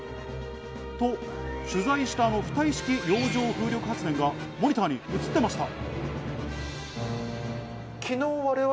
取材した浮体式洋上風力発電がモニターに映っていました。